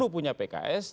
lima puluh punya pks